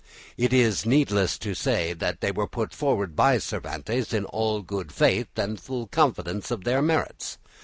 It is needless to say they were put forward by Cervantes in all good faith and full confidence in their merits.